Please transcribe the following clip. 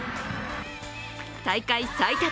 大会最多